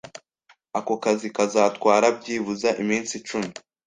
Ako kazi kazatwara byibuze iminsi icumi.